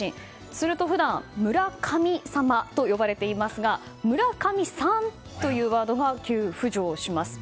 すると、普段村神様と呼ばれていますが村上さんというワードが急浮上します。